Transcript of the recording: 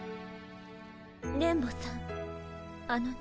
電ボさんあのね。